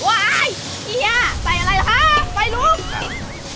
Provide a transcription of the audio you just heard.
ไอ้เฮียใส่อะไรละคะไอ้ลูก